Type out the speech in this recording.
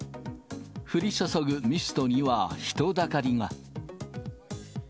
降り注ぐミストには人だかりが。